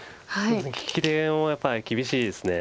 聞き手もやっぱり厳しいですね。